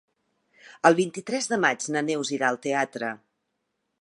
El vint-i-tres de maig na Neus irà al teatre.